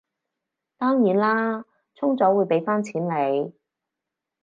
當然啦，充咗會畀返錢你